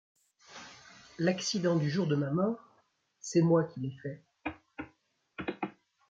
L’accident du jour de ma mort : c’est moi qui l’ai fait.